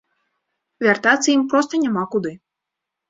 Вяртацца ім проста няма куды.